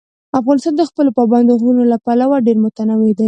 افغانستان د خپلو پابندي غرونو له پلوه ډېر متنوع دی.